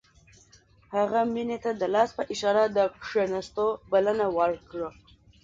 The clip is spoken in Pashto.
هغه مينې ته د لاس په اشاره د کښېناستو بلنه ورکړه.